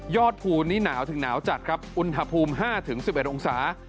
ยอดภูมิหนาวถึงหนาวจัดอุณหภูมิ๕๑๑องศา